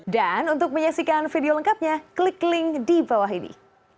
dan untuk menyaksikan video lengkapnya klik link di bawah ini